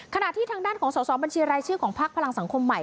ขณะที่ทางด้านของสอบบัญชีรายชื่อของพักพลังสังคมใหม่